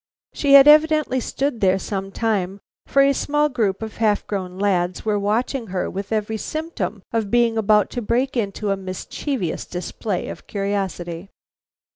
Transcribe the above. She had evidently stood there some time, for a small group of half grown lads were watching her with every symptom of being about to break into a mischievous display of curiosity.